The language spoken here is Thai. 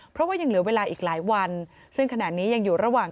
เพราะว่ายังเหลือเวลาอีกหลายวันซึ่งขณะนี้ยังอยู่ระหว่าง